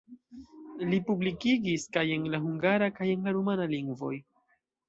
Li publikigis kaj en la hungara kaj en la rumana lingvoj.